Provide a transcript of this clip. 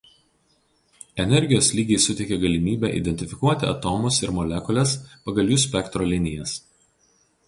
Energijos lygiai suteikia galimybę identifikuoti atomus ir molekules pagal jų spektro linijas.